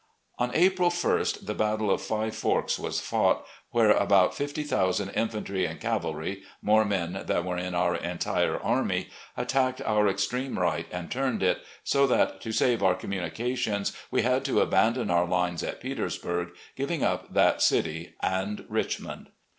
..." On April ist the Battle of Five Forks was fought, where about fifty thousand infantry and cavalry — ^more men than were in our entire army — ^attacked our extreme 148 RECOLLECTIONS OF GENERAL LEE right and turned it, so that, to save our communications, we had to abandon our lines at Petersburg, giving up that city and Richmond.